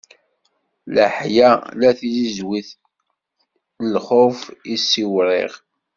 Leḥya tessizwiɣ, lxuf issiwṛiɣ.